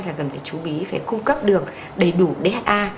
là cần phải chú ý phải cung cấp được đầy đủ dha